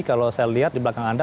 kalau saya lihat di belakang anda